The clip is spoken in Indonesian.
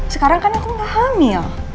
sekarang kan aku gak hamil